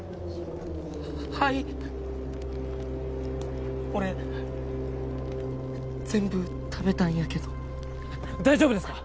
はい俺全部食べたんやけど大丈夫ですか？